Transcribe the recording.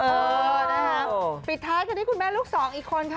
เออนะคะปิดท้ายกันที่คุณแม่ลูกสองอีกคนค่ะ